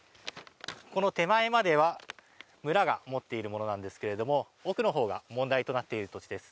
この手前までは村が持っているものなんですけれども奥のほうが問題となっている土地です。